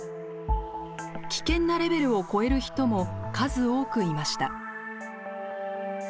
危険なレベルを超える人も数多くいました。